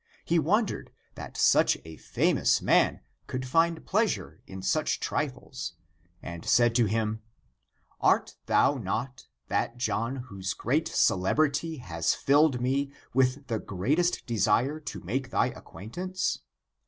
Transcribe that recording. He wondered that such a famous man could find pleasure in such trifles and said to him :" Art thou not that John whose great ce lebrity has filled me with the greatest desire to make thy ac quaintance?